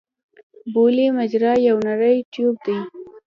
بولي مجرا یو نری ټیوب دی.